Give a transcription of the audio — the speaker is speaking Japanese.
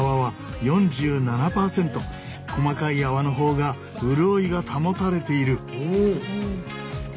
細かい泡の方が潤いが保たれている。